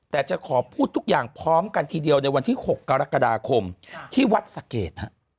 แต่จะขอพูดทุกอย่างพร้อมกันทีเดียวในวันที่๖กรกฎาคมที่วัดสะเกด